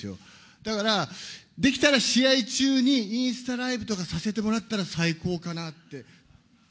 だから、できたら試合中にインスタライブとかさせてもらったら最高かなって。